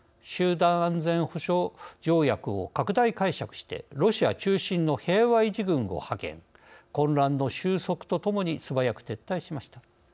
集団安全保障条約を拡大解釈してロシア中心の平和維持軍を派遣混乱の収束とともに素早く撤退しました。